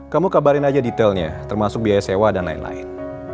kamu kabarin aja detailnya termasuk biaya sewa dan lain lain